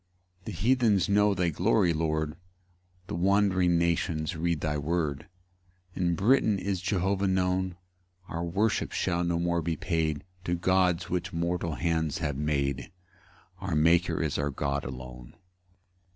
2 The heathens know thy glory, Lord; The wondering nations read thy word, In Britain is Jehovah known: Our worship shall no more be paid To gods which mortal hands have made; Our Maker is our God alone.